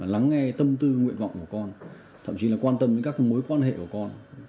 lắng nghe tâm tư nguyện vọng của con thậm chí là quan tâm đến các mối quan hệ của con